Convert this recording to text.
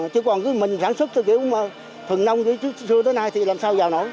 chứ còn cứ mình sản xuất từ kiểu thường nông trước xưa tới nay thì làm sao giàu nổi